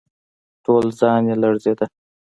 ټول ځان يې لړزېده.